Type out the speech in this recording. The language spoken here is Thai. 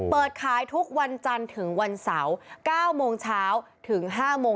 เปิดขายทุกวันจันทึงวันเศร้า